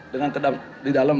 dengan kedap di dalam